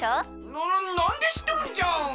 ななんでしっとるんじゃ！